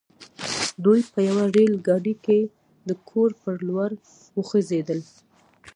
دوی په يوه ريل ګاډي کې د کور پر لور وخوځېدل.